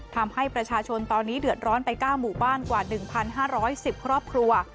ทำให้ประชาชนตอนนี้เดือดร้อนไป๙หมู่บ้านกว่า๑๕๑๐ครอบครัว